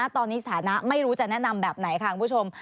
ตอนนี้สถานะไม่รู้จะแนะนำแบบไหนค่ะคุณผู้ชม